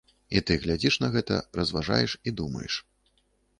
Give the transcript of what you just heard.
І ты глядзіш на гэта, разважаеш і думаеш.